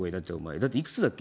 だっていくつだっけ？